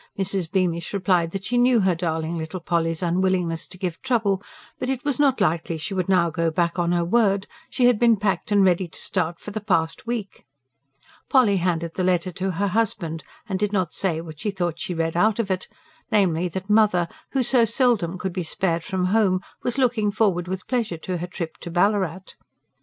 Mrs. Beamish replied that she knew her darling little Polly's unwillingness to give trouble; but it was not likely she would now go back on her word: she had been packed and ready to start for the past week. Polly handed the letter to her husband, and did not say what she thought she read out of it, namely that "mother," who so seldom could be spared from home, was looking forward with pleasure to her trip to Ballarat.